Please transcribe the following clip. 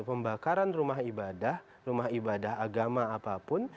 pembakaran rumah ibadah rumah ibadah agama apapun